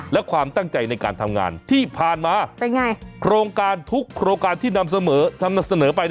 และความตั้งใจในการทำงานที่ผ่านมาโครงการทุกโครงการที่นำเสนอไป